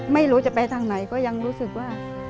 ไม่รู้จะไปทางไหนก็ยังรู้สึกว่า